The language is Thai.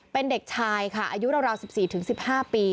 เป็นเด็กชายค่ะอายุราว๑๔๑๕ปี